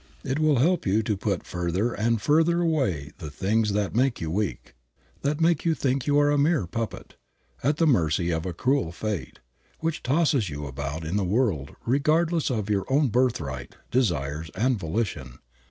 It will help you to put further and further away the things that make you weak, that make you think you are a mere puppet, at the mercy of a cruel Fate, which tosses you about in the world regardless of your own birthright, desires, and volition.